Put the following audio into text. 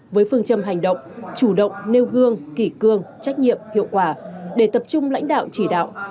với phương châm hành động chủ động nêu gương kỷ cương trách nhiệm hiệu quả để tập trung lãnh đạo chỉ đạo